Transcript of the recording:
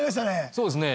そうですね。